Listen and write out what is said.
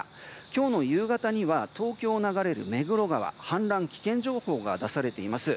今日の夕方には東京を流れる目黒川氾濫危険情報が出されています。